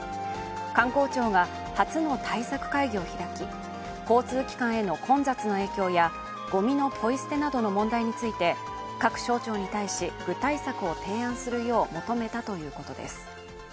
観光庁が初の対策会議を開き、交通機関への混雑の影響やごみのポイ捨てなどの問題について各省庁に対し具体策を提案するよう求めたということです。